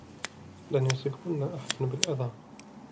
لن يصبكن أحد بالأذى.